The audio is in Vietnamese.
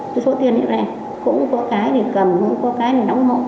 cái số tiền như thế này cũng có cái để cầm cũng có cái để đóng hộ